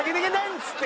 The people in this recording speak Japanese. っつって。